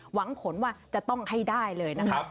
หวังผลว่าจะต้องให้ได้เลยนะครับ